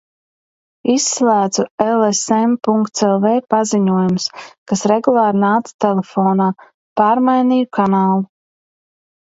Izslēdzu lsm. lv paziņojumus, kas regulāri nāca telefonā, pārmainīju kanālu.